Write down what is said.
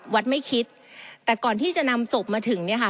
วัดไม่คิดแต่ก่อนที่จะนำศพมาถึงเนี่ยค่ะ